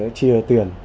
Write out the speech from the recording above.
đã chia tiền